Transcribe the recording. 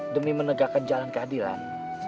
demi menegakkan jalan keadilan